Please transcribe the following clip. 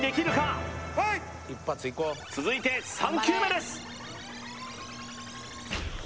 プレイ続いて３球目です！